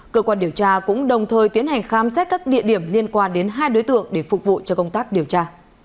cơ quan điều tra cũng đồng thời tiến hành khám xét các địa điểm liên quan đến hai đối tượng để phục vụ cho công tác điều tra